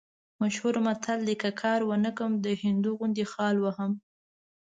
مشهور متل دی: که کار ونه کړم، د هندو غوندې خال وهم.